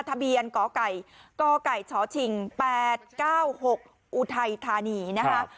ทะเบียนก๋อก่ายก๋อก่ายเฉาะชิงแปดเก้าหกอุทัยธานีนะคะ